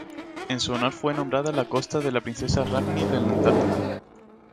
En su honor fue nombrada la Costa de la Princesa Ragnhild en la Antártida.